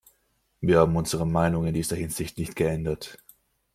Wir haben unsere Meinung in dieser Hinsicht nicht geändert.